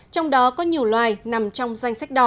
trong đó có nhiều loài nằm trong danh sách đỏ